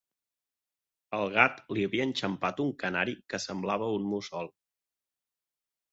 El gat li havia enxampat un canari que semblava un mussol.